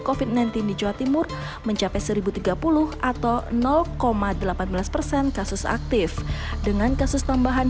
kefitnan tinggi jawa timur mencapai seribu tiga puluh atau delapan belas persen kasus aktif dengan kasus tambahan